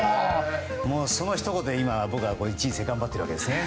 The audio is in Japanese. そのひと言で僕は人生頑張っているわけですね。